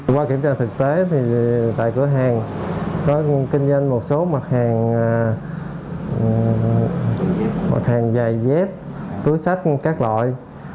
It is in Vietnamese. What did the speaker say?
qua kiểm tra thực tế tại cửa hàng kinh doanh một số mặt hàng dài dép túi sách các loại